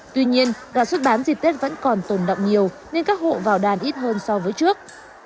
tuy nhiên đàn xuất bán dịp tết vẫn còn tồn động nhiều nên các hộ vào đàn ít hơn so với trước